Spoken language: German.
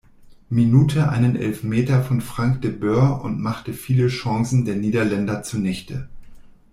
Minute einen Elfmeter von Frank de Boer und machte viele Chancen der Niederländer zunichte.